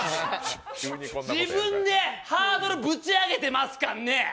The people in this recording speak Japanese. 自分でハードルぶち上げてますからね。